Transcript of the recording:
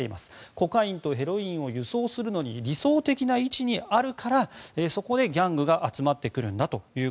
コカインとヘロインを輸送するのに理想的な位置にあるからそこにギャングが集まってくるんだと。